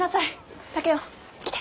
竹雄来て。